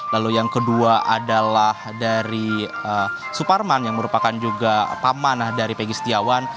lalu yang kedua adalah dari suparman yang merupakan juga paman dari pegi setiawan